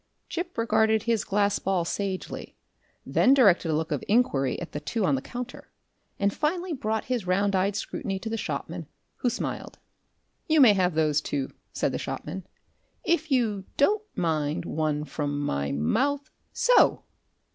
Gip regarded his glass ball sagely, then directed a look of inquiry at the two on the counter, and finally brought his round eyed scrutiny to the shopman, who smiled. "You may have those too," said the shopman, "and, if you DON'T mind, one from my mouth. SO!"